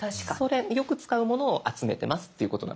よく使うものを集めてますっていうことなんです。